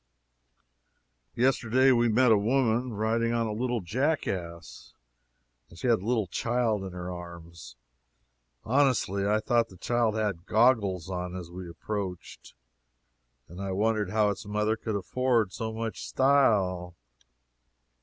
Yesterday we met a woman riding on a little jackass, and she had a little child in her arms honestly, I thought the child had goggles on as we approached, and I wondered how its mother could afford so much style.